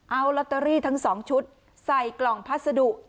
เอาลอตเตอรี่ทั้ง๒ชุดใส่กล่องพัสดุ